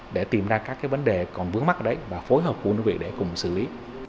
để tìm ra các vấn đề còn vướng mắt ở đấy và phối hợp cùng đơn vị để cùng xử lý